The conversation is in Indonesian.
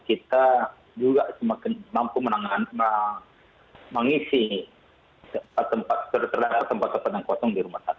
kita juga semakin mampu mengisi tempat terdapat tempat tempat yang kosong di rumah sakit